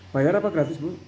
bayar apa gratis bu